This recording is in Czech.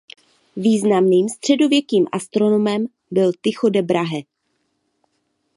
Významným středověkým astronomem byl Tycho de Brahe.